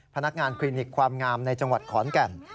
พนักงานคลินิกความงามในจังหวัดขอนแก่น